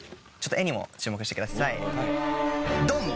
ちょっと絵にも注目してください。